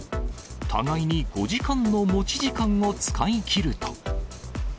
互いに５時間の持ち時間を使い切ると。